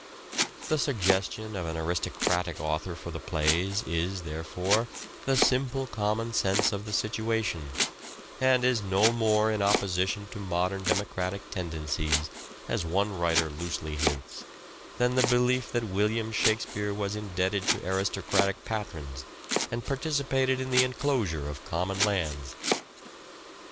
The suggestion of an aristocratic author for the plays is, therefore, the simple common sense of the situation, and is no more in opposition to modern democratic tendencies, as one writer loosely hints, than the belief that William Shakspere was indebted to aristocratic patrons and participated in the enclosure of common lands.